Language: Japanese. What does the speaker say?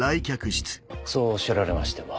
そうおっしゃられましても。